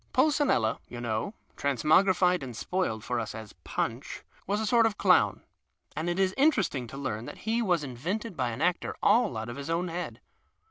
Pulcinella, you know (trans mogrilied, and spoiled, for us as Punch), was a sort of clown, and it is interesting to learn that he was invented by an actor all out of his own head.